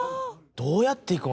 どうやって行くん？